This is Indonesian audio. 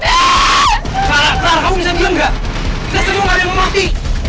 sarah sarah kamu bisa bilang gak kita semua ada yang mati